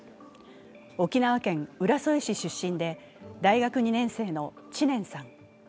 沖縄県浦添市出身で大学２年生の知念さん。